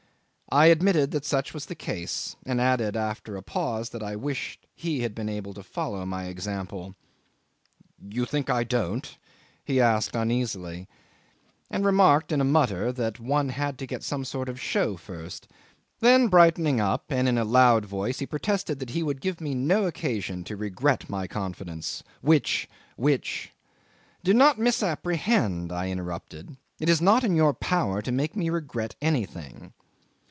'I admitted that such was the case, and added after a pause that I wished he had been able to follow my example. "You think I don't?" he asked uneasily, and remarked in a mutter that one had to get some sort of show first; then brightening up, and in a loud voice he protested he would give me no occasion to regret my confidence, which which ... '"Do not misapprehend," I interrupted. "It is not in your power to make me regret anything."